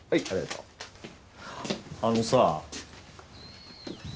あのさ。